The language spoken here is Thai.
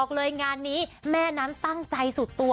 เขาเรียกว่าอะไรอ่ะ